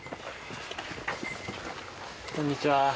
こんにちは。